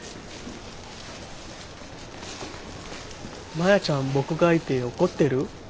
マヤちゃん僕がいて怒ってる？